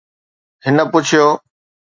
هن پڇيو